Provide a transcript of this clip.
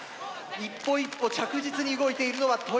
一歩一歩着実に動いているのは豊田。